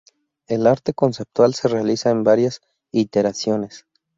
El arte conceptual se realiza en varias iteraciones.